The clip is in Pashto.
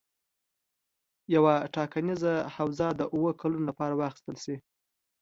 یوه ټاکنیزه حوزه د اووه کلونو لپاره واخیستل شي.